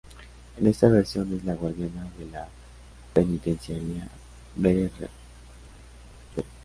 En esta versión es la guardiana de la penitenciaria Belle Reve.